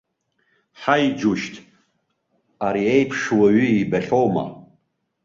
Ҳаи, џьушьҭ, ари еиԥш уаҩы ибахьоума?